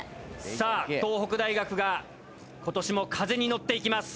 さあ東北大学が今年も風に乗っていきます。